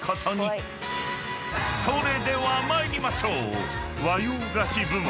［それでは参りましょう］